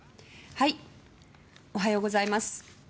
おはようございます。